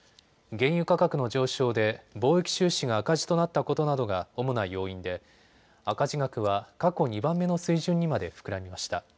原油価格の上昇で貿易収支が赤字となったことなどが主な要因で赤字額は過去２番目の水準にまで膨らみました。